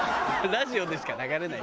ラジオでしか流れない。